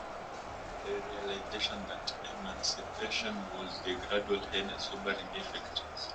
However, the realization that emancipation would be gradual had a sobering effect.